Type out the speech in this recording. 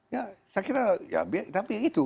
ya saya kira ya tapi itu